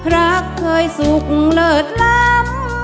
รักเคยสุขเลิศล้ำ